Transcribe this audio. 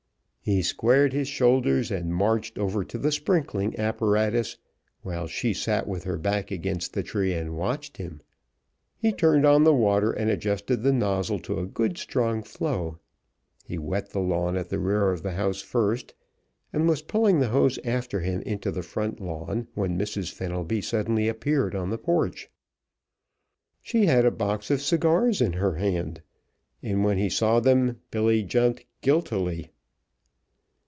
He squared his shoulders and marched over to the sprinkling apparatus, while she sat with her back against the tree and watched him. He turned on the water and adjusted the nozzle to a good strong flow. He wet the lawn at the rear of the house first, and was pulling the hose after him into the front lawn when Mrs. Fenelby suddenly appeared on the porch. She had a box of cigars in her hand, and when he saw them Billy jumped guiltily.